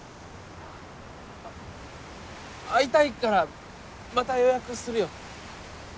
会いたいからまた予約するよ。